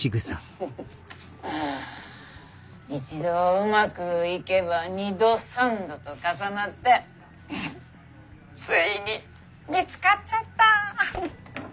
一度うまくいけば二度三度と重なってついに見つかっちゃった。